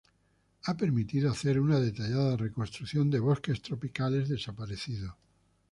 Ha permitido hacer una detallada reconstrucción de bosques tropicales desaparecidos.